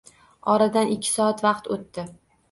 Oradan ikki soat vaqt o`tdi